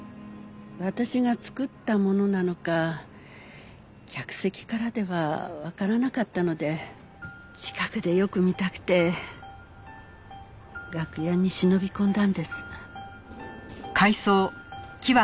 私が作ったものなのか客席からではわからなかったので近くでよく見たくて楽屋に忍び込んだんです。